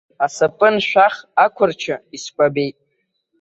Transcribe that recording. Асапын шәах ақәырчы искәабеит.